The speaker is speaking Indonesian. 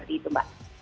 jadi itu mbak